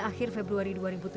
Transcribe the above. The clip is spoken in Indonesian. akhir februari dua ribu tujuh belas